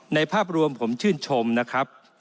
ภาพรวมผมชื่นชมนะครับ